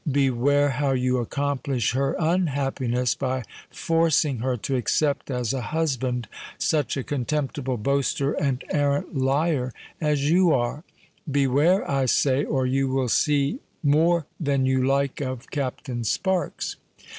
Beware how you accomplish her unhappiness by forcing her to accept as a husband such a contemptible boaster and arrant liar as you are: beware, I say—or you will see more than you like of Captain Sparks."